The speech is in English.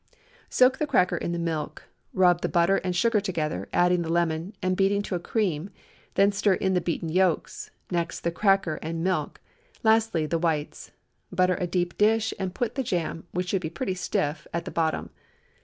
Soak the cracker in the milk; rub the butter and sugar together, adding the lemon, and beating to a cream; then stir in the beaten yolks; next the cracker and milk; lastly, the whites. Butter a deep dish, and put the jam, which should be pretty stiff, at the bottom.